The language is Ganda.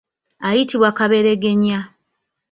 Ayitibwa kaberegenya.